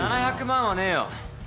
７００万はねえよ。